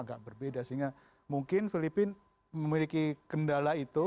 agak berbeda sehingga mungkin filipina memiliki kendala itu